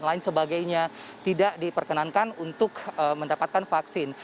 lain sebagainya tidak diperkenankan untuk mendapatkan vaksin